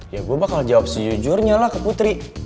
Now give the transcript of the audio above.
ya gue bakal jawab sejujurnya lah ke putri